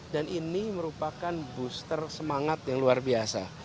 dan ini merupakan booster semangat yang luar biasa